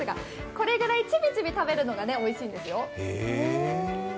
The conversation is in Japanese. これぐらい、ちびちび食べるのがおいしいんですよ。